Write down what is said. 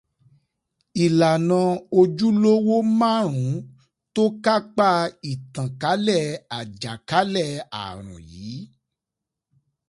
Ìlànà ojúlówó márùn-ún tó kápá ìtànkálẹ̀ àjàkálẹ̀ ààrùn yìí.